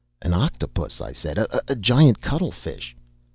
"An octopus!" I said. "A giant cuttlefish!"